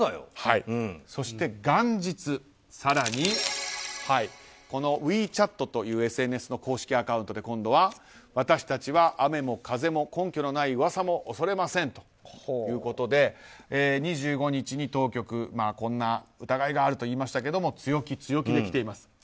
そして元日、更にウィーチャットというＳＮＳの公式アカウントで今度は私たちは雨も風も根拠のない噂も恐れませんということで２５日に当局こんな疑いがあるといいましたが強気、強気できています。